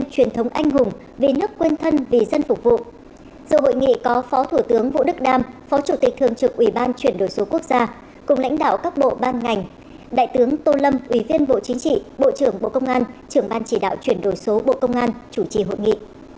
chủ tịch thường trực ubnd cùng lãnh đạo các bộ ban ngành đại tướng tô lâm ubnd bộ trưởng bộ công an trưởng ban chỉ đạo chuyển đổi số bộ công an chủ trì hội nghị